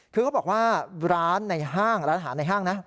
คือเขาบอกว่าร้านหาในห้างนะ